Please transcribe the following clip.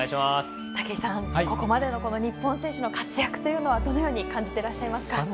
武井さん、ここまでの日本選手の活躍というのはどのように感じてらっしゃいますか。